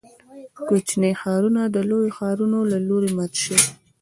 کوچني ښارونه د لویو ښارونو له لوري مات شوي.